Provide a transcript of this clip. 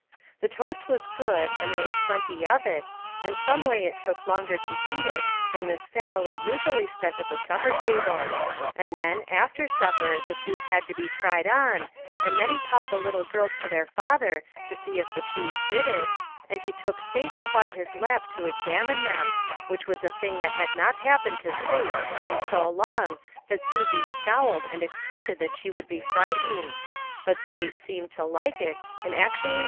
The toast was good, and there was plenty of it, and someway it took longer to eat it than this family usually spent at the supper table ; and then, after supper, the shoes had to be tried on, and Nettie called the little girls to their father to see if the shoes fitted, and he took Sate up on his lap to examine them, which was a thing that ^ had not happened to Sate in so long that Susie scowled and expected that she would be fright ened, but Sate seemed to like it, and actually 134 UTTLE FISHERS: AND THEIR NETS.